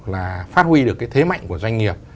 là phát huy được cái thế mạnh của doanh nghiệp